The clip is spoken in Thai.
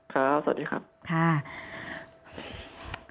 ค่ะสวัสดีครับ